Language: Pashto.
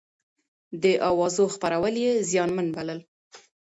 د اوازو خپرول يې زيانمن بلل.